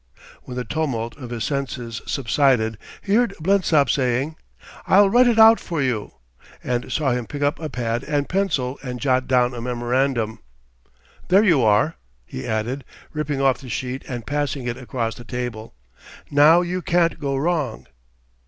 When the tumult of his senses subsided he heard Blensop saying, "I'll write it out for you," and saw him pick up a pad and pencil and jot down a memorandum. "There you are," he added, ripping off the sheet and passing it across the table. "Now you can't go wrong."